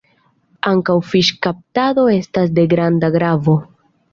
Ankaŭ fiŝkaptado estas de granda gravo.